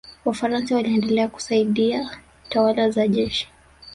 wafaransa waliendelea kusaidia tawala za kijeshi